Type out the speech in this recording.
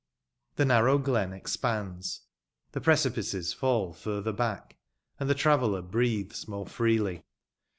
The narrow glen expands, the precipices fall furtner bcMsk, and tiie traveller breathes more freely.